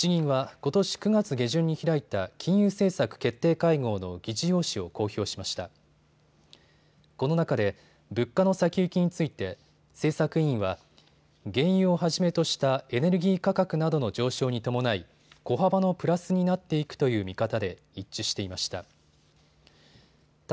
この中で物価の先行きについて政策委員は原油をはじめとしたエネルギー価格などの上昇に伴い小幅のプラスになっていくという見方で一致していました。